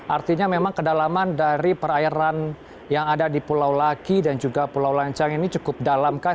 artinya memang kedalaman dari perairan yang ada di pulau laki dan juga pulau lancang ini cukup dalam kah